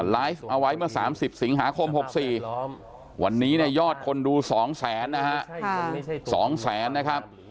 ไลฟ์เอาไว้เมื่อ๓๐สิงหาคม๖๔วันนี้เนี่ยยอดคนดู๒แสนนะฮะ๒แสนนะครับ